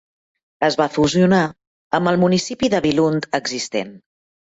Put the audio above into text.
Es va fusionar amb el municipi de Billund existent.